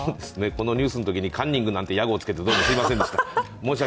このニュースのときにカンニングなんて屋号をつけて申し訳ありませんでした。